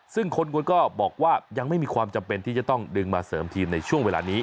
ซึ่งคนก็บอกว่ายังไม่มีความจำเป็นที่จะต้องดึงมาเสริมทีมในช่วงเวลานี้